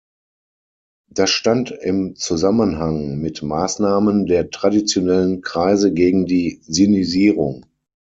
Das stand im Zusammenhang mit Maßnahmen der traditionellen Kreise gegen die Sinisierung.